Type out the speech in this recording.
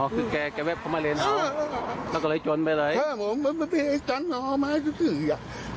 อ๋อคือแกแวะเข้ามาเร่งเอาแล้วก็เลยจนไปเลย